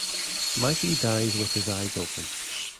Mikey "dies" with his eyes open.